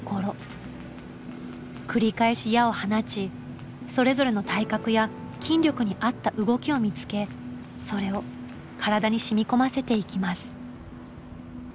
繰り返し矢を放ちそれぞれの体格や筋力に合った動きを見つけそれを体に染み込ませていきます。